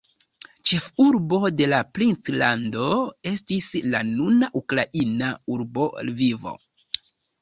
Ĉefurbo de la princlando estis la nuna ukraina urbo Lvivo.